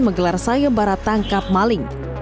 menggelar sayembarat tangkap maling